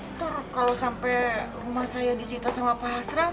ntar kalo sampai rumah saya disita sama pak hasraf